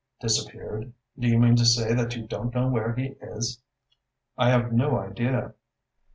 "Disappeared? Do you mean to say that you don't know where he is?" "I have no idea."